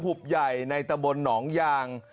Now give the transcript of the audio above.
หุบใหญ่ในตะบนหนองยาง